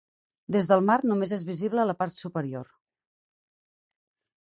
Des del mar, només és visible la part superior.